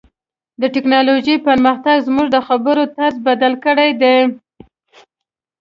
د ټکنالوژۍ پرمختګ زموږ د خبرو طرز بدل کړی دی.